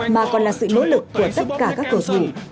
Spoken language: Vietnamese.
mà còn là sự nỗ lực của tất cả các cầu thủ